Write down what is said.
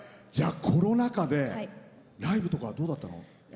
コロナ禍でライブとかどうだったの？